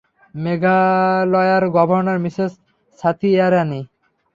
মেঘালয়ার governor Mrs Sathiyarani.